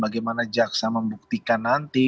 bagaimana jaksa membuktikan nanti